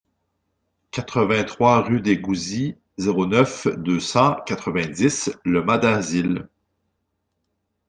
quatre-vingt-trois rue des Gouzis, zéro neuf, deux cent quatre-vingt-dix Le Mas-d'Azil